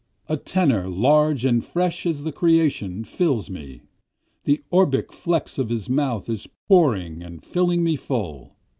A tenor large and fresh as the creation fills me, The orbic flex of his mouth is pouring and filling me full.